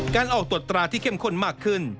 การออกตรวจตราที่เข้มข้นมากขึ้น